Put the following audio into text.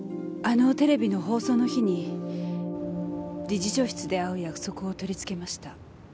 あのテレビの放送の日に理事長室で会う約束をとりつけました。